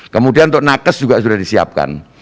kemudian untuk nakes juga sudah disiapkan